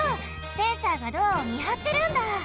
センサーがドアをみはってるんだ！